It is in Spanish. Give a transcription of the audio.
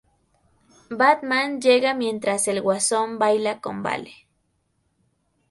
Batman llega mientras el Guasón baila con Vale.